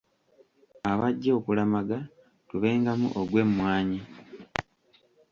Abajja okulamaga tubengamu ogw’emmwanyi.